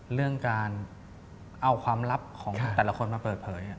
เรื่องการเอาความลับของแต่ละคนมาเปิดเผย